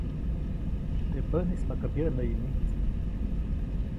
Teʼ päʼnis maka mbyäʼnäyi mijtsi.